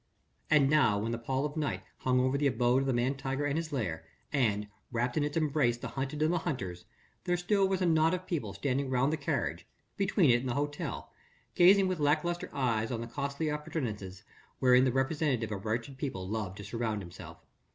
And now when the pall of night hung over the abode of the man tiger and his lair, and wrapped in its embrace the hunted and the hunters, there still was a knot of people standing round the carriage between it and the hotel gazing with lack lustre eyes on the costly appurtenances wherewith the representative of a wretched people loved to surround himself.